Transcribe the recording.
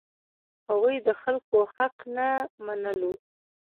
هغوی د خلکو حق نه منلو.